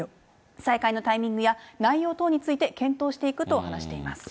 再開のタイミングや、内容等について、検討していくと話しています。